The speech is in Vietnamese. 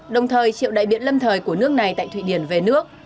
đồng thời triệu đại biện lâm thời của nước này tại thụy điển về nước